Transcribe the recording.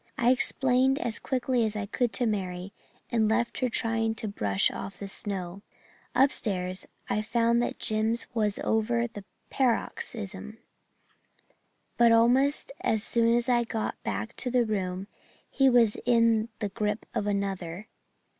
I explained as quickly as I could to Mary, and left her trying to brush the snow off. Upstairs I found that Jims was over that paroxysm, but almost as soon as I got back to the room he was in the grip of another.